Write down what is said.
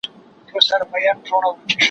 ما د سبا لپاره د سوالونو جواب ورکړی دی؟!